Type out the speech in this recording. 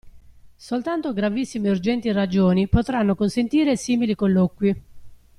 Soltanto gravissime e urgenti ragioni potranno consentire simili colloqui.